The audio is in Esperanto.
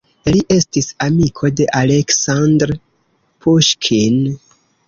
Li estis amiko de Aleksandr Puŝkin.